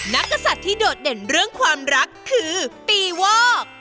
กษัตริย์ที่โดดเด่นเรื่องความรักคือปีวอก